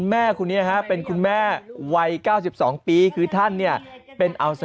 มันไม่มีผัว